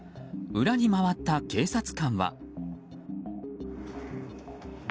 裏に回った警察官は。